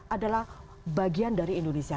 adalah bagian dari indonesia